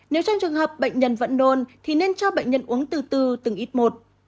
nếu trong trường hợp bệnh nhân vẫn nôn thì nên cho bệnh nhân uống từ từ ít một